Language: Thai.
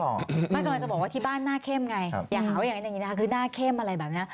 แม่กำลังจะบอกว่าที่บ้านหน้าเข้มไงอย่าหาวอย่างนี้หน้าเข้มอะไรแบบนี้